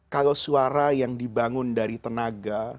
kalau suara yang dibangun dari tenaga